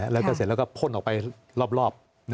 แล้วก็เสร็จแล้วก็พ่นออกไปรอบ